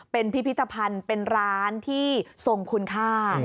เป็นพิพิธภัณฑ์เป็นร้านที่ทรงคุณค่า